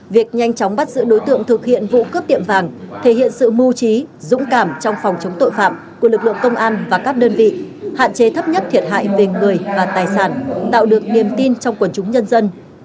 việc nhanh chóng bắt giữ đối tượng thực hiện vụ cướp tiệm vàng thể hiện sự mưu trí dũng cảm trong phòng chống tội phạm của lực lượng công an và các đơn vị hạn chế thấp nhất thiệt hại về người và tài sản tạo được niềm tin trong quần chúng nhân dân